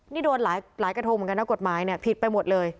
นี่โดนหลายกระทงเหมือนกันนะกฎหมายเนี่ยผิดไปหมดเลย